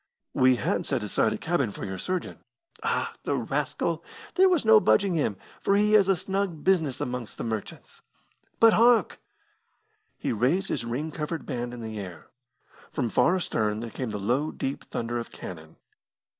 "We had set aside a cabin for your surgeon." "Ah, the rascal! There was no budging him, for he has a snug business amongst the merchants. But hark!" He raised his ring covered band in the air. From far astern there came the low, deep thunder of cannon.